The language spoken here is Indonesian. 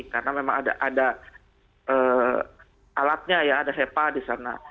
karena memang ada alatnya ya ada hepa di sana